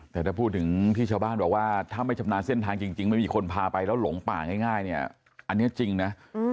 แต่ถ้าพูดถึงพี่ชาวบ้านแบบว่าถ้าไม่ชำนาญเส้นทางจริงแล้วลงป่างง่ายเนี่ยอันนี้จริงนะ